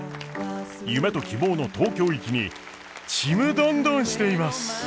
夢と希望の東京行きにちむどんどんしています！